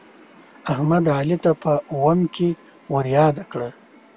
احمد، علي ته په اوم کې ورياده کړه.